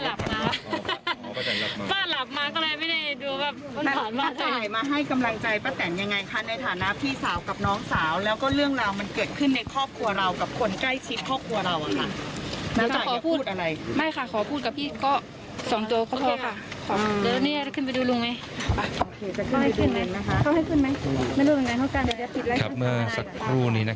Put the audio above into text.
แล้วก็เรื่องราวมันเกิดขึ้นในครอบครัวเรา